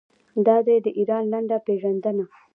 دا دی د ایران لنډه پیژندنه.